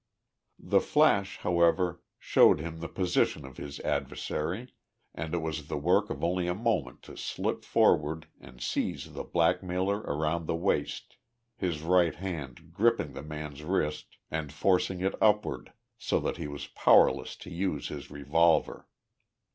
The flash, however, showed him the position of his adversary, and it was the work of only a moment to slip forward and seize the blackmailer around the waist, his right hand gripping the man's wrist and forcing it upward so that he was powerless to use his revolver.